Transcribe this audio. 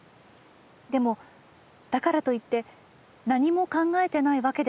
でもだからといって何も考えてないわけでもない。